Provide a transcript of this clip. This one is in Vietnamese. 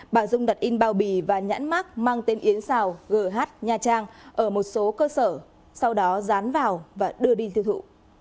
bà dung đặt in bao bì và nhãn mát mang tên yến xào gh nha trang ở một số cơ sở sau đó dán vào và đưa đi tiêu thụ